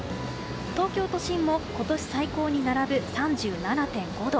東京都心も今年最高に並ぶ３７．５度。